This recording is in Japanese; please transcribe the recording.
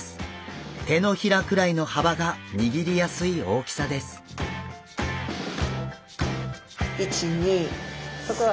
手のひらくらいのはばが握りやすい大きさです。